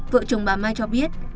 vợ chồng bà my cho biết